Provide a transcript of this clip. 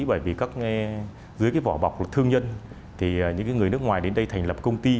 bởi vì dưới cái vỏ bọc là thương nhân thì những người nước ngoài đến đây thành lập công ty